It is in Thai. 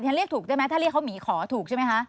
เรียกถูกได้ไหมถ้าเรียกเขาหมีขอถูกใช่ไหมคะ